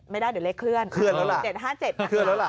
ไม่ได้เดี๋ยวเล็กเคลื่อนเคลื่อนแล้วล่ะเจ็ดห้าเจ็ดเคลื่อนแล้วล่ะ